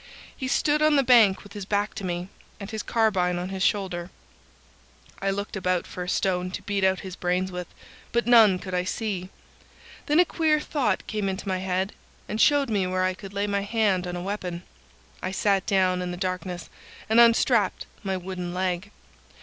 He stood on the bank with his back to me, and his carbine on his shoulder. I looked about for a stone to beat out his brains with, but none could I see. Then a queer thought came into my head and showed me where I could lay my hand on a weapon. I sat down in the darkness and unstrapped my wooden leg.